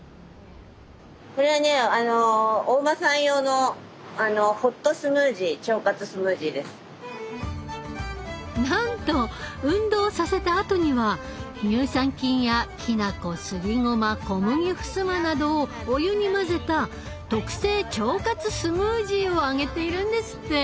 これはねなんと運動をさせたあとには乳酸菌やきな粉すりごま小麦ふすまなどをお湯に混ぜた特製腸活スムージーをあげているんですって！